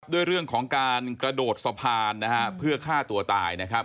ด้วยเรื่องของการกระโดดสะพานเพื่อฆ่าตัวตาย